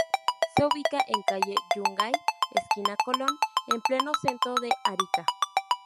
Se ubica en calle Yungay, esquina Colón, en pleno centro de Arica.